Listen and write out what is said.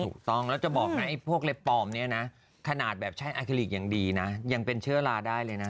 ถูกต้องแล้วจะบอกนะไอ้พวกเล็บปลอมเนี่ยนะขนาดแบบใช้อาคิลิกอย่างดีนะยังเป็นเชื้อลาได้เลยนะ